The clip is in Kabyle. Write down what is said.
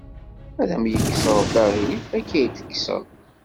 Ad am-yekkes Ṛebbi aɣilif akka iyi-t-tekkseḍ.